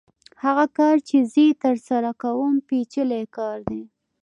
هغه کار چې زه یې ترسره کوم پېچلی کار دی